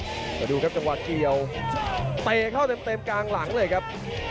เดี๋ยวดูครับจังหวะเกี่ยวเตะเข้าเต็มกลางหลังเลยครับ